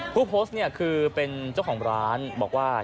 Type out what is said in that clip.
ผู้โพสต์เนี่ยคือเป็นเจ้าของร้านบอกว่า